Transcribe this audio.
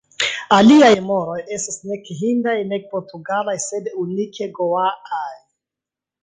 Aliaj moroj estas nek hindaj nek portugalaj, sed unike goaaj.